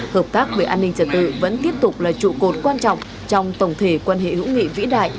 hợp tác về an ninh trả tự vẫn tiếp tục là trụ cột quan trọng trong tổng thể quan hệ hữu nghị vĩ đại